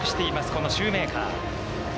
このシューメーカー。